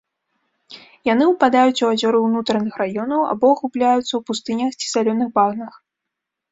Яны ўпадаюць у азёры ўнутраных раёнаў або губляюцца ў пустынях ці салёных багнах.